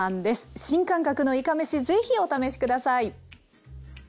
新感覚のいかめし是非お試し下さい。